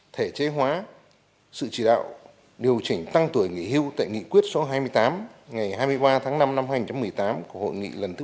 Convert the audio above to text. thể chế hóa sự chỉ đạo điều chỉnh tăng tuổi nghỉ hưu tại nghị quyết số hai mươi tám ngày hai mươi ba tháng năm năm hai nghìn một mươi tám của hội nghị lần thứ tám